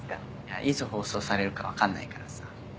いつ放送されるか分かんないからさ。